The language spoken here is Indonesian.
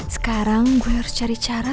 sekarang gue harus cari cara